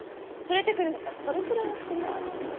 連れてくるんだったらそれくらいはしてもらわないと。